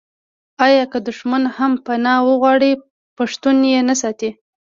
آیا که دښمن هم پنا وغواړي پښتون یې نه ساتي؟